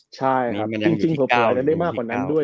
ใช่ครับจริงส่วนผู้หญิงได้มากกว่านั้นด้วย